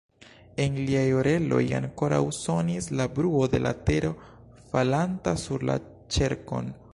En liaj oreloj ankoraŭ sonis la bruo de la tero falanta sur la ĉerkon.